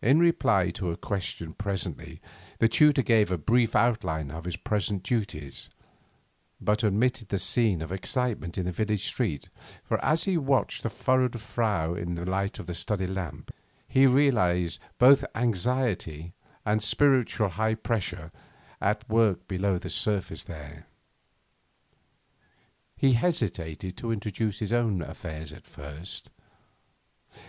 In reply to a question presently, the tutor gave a brief outline of his present duties, but omitted the scene of excitement in the village street, for as he watched the furrowed face in the light of the study lamp, he realised both anxiety and spiritual high pressure at work below the surface there. He hesitated to intrude his own affairs at first.